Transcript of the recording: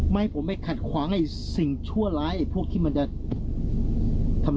ให้ผมไปขัดขวางไอ้สิ่งชั่วร้ายไอ้พวกที่มันจะทำ